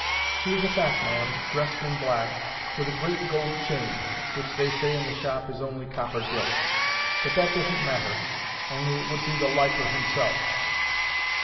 He is a fat man, dressed in black, with a great gold chain, which they say in the shop is only copper gilt. But that doesn't matter, only it would be the liker himself.